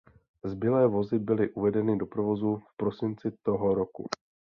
Zbylé vozy byly uvedeny do provozu v prosinci toho roku.